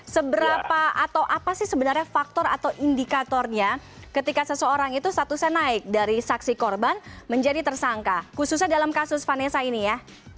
seberapa atau apa sih sebenarnya faktor atau indikatornya ketika seseorang itu statusnya naik dari saksi korban menjadi tersangka khususnya dalam kasus vanessa ini ya